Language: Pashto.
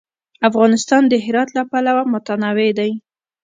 افغانستان د هرات له پلوه متنوع دی.